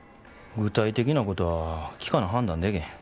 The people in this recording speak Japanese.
具体的なことは聞かな判断でけへん。